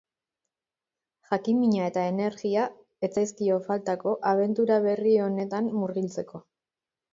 Jakin-mina eta energia ez zaizkio faltako abentura berri honetan murgiltzeko.